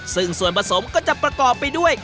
ซึ่งส่วนผสมก็จะประกอบไปด้วย